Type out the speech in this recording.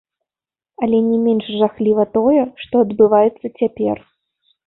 Але не менш жахліва тое, што адбываецца цяпер.